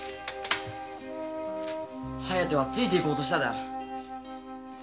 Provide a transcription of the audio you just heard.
「疾風」はついて行こうとしただよ。